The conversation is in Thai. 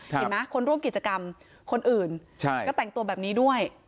เห็นไหมคนร่วมกิจกรรมคนอื่นใช่ก็แต่งตัวแบบนี้ด้วย